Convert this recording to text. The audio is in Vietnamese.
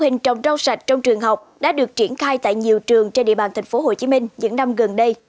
hình trồng rau sạch trong trường học đã được triển khai tại nhiều trường trên địa bàn tp hcm những năm gần đây